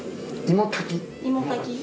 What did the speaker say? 芋炊き。